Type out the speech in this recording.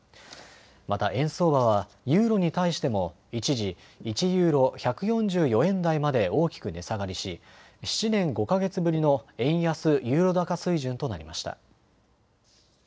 また円相場はユーロに対しても一時、１ユーロ１４４円台まで大きく値下がりし７年５か月ぶりの円安ユーロ高水準となりました。